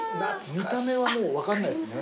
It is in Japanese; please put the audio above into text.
見た目は分かんないっすね。